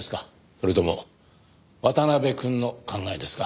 それとも渡辺くんの考えですか？